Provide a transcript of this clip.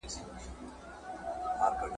د مړونو تر مابین سلا هنر وي ..